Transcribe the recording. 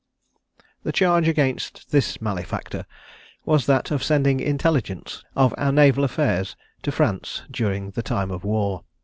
The charge against this malefactor was that of sending intelligence of our naval affairs to France during the time of war.